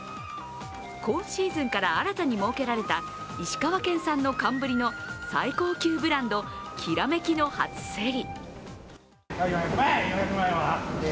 今シーズンから新たに設けられた石川県産の寒ブリの最高級ブランド、煌の初競り。